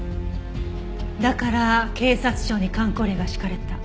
だから警察庁に箝口令が敷かれた。